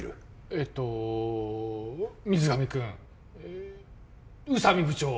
えっと水上くんええ宇佐美部長